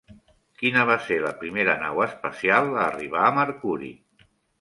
Quina va ser la primera nau espacial a arribar a Mercuri?